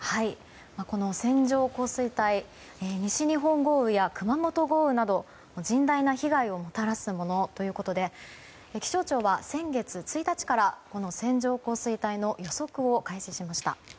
この線状降水帯西日本豪雨や熊本豪雨など、甚大な被害をもたらすものということで気象庁は先月１日から線状降水帯の予測を開始しました。